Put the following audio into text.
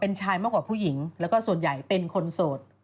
เป็นชายมากกว่าผู้หญิงแล้วก็ส่วนใหญ่เป็นคนโสด